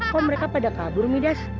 kok mereka pada kabur midas